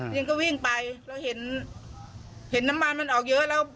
ยังก็วิ่งไปเราเห็นเห็นน้ำมันมันออกเยอะแล้ว